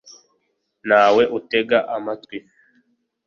ntawe utega amatwi